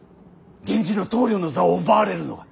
源氏の棟梁の座を奪われるのが。